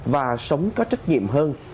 và sống có trách nhiệm hơn